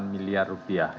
empat delapan miliar rupiah